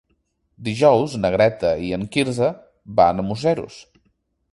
Dijous na Greta i en Quirze van a Museros.